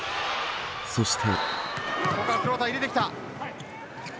そして。